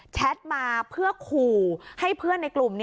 แท็ตมาเพื่อขู่ให้เพื่อนในกลุ่ม